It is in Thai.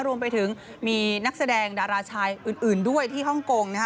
รวมไปถึงมีนักแสดงดาราชายอื่นด้วยที่ฮ่องกงนะคะ